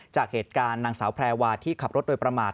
จากเหตุการณ์นางสาวแพรวาที่ขับรถโดยประมาท